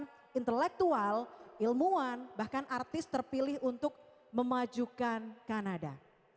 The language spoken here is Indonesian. kemampuan intelektual ilmuwan bahkan artis terpilih untuk memajukan kanada